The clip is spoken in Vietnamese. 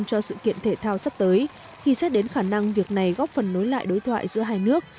cho sự kiện thể thao sắp tới khi xét đến khả năng việc này góp phần nối lại đối thoại giữa hai nước